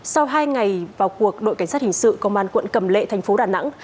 sau hai ngày vào cuộc đội cảnh sát hình sự công an quận cầm lệ thành phố đà nẵng